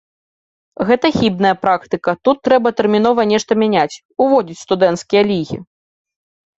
Гэта хібная практыка, тут трэба тэрмінова нешта мяняць, уводзіць студэнцкія лігі.